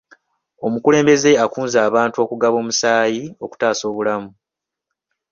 Omukulembeze akunze abantu okugaba omusaayi okutaasa obulamu.